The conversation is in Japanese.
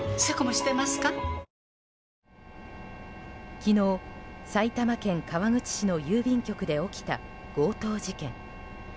昨日、埼玉県川口市の郵便局で起きた強盗事件。